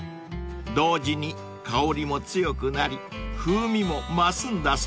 ［同時に香りも強くなり風味も増すんだそうです］